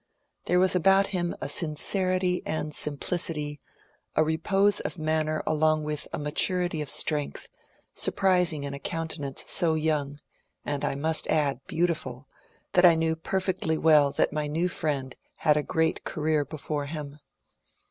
There was about him a sincerity and simplicity, a repose of manner along with a maturity of strength, surprising in a countenance so young, — and I must add, beautiful, — that I knew perfectly well my new friend had a great career before him.